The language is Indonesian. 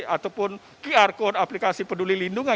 ataupun qr code aplikasi peduli lindungan